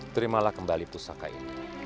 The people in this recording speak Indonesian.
terimalah kembali pusaka ini